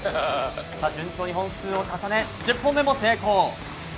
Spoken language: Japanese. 順調に本数を重ね１０本目も成功！